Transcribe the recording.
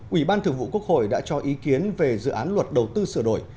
ủy ban thường vụ quốc hội đã cho ý kiến về dự án luật đầu tư sửa đổi